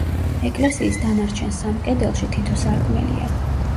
ეკლესიის დანარჩენ სამ კედელში თითო სარკმელია.